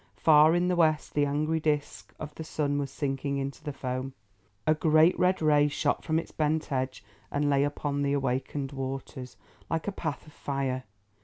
Far in the west the angry disc of the sun was sinking into the foam. A great red ray shot from its bent edge and lay upon the awakened waters, like a path of fire.